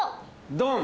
ドン！